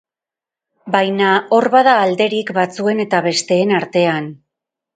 Baina hor bada alderik batzuen eta besteen artean.